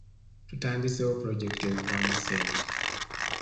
Tutandiseewo pulojekiti ezivaamu ssente .